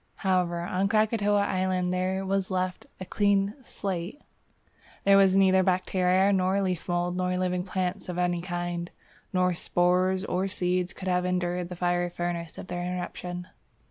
However, on Krakatoa island there was left a clean "slate." There were neither bacteria, nor leaf mould, nor living plants of any kind; no spores or seeds could have endured the fiery furnace of the eruption.